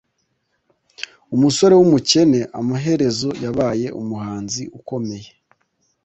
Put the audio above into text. Umusore wumukene amaherezo yabaye umuhanzi ukomeye.